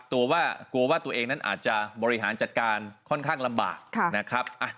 กลัวว่ากลัวว่าตัวเองนั้นอาจจะบริหารจัดการค่อนข้างลำบากนะครับ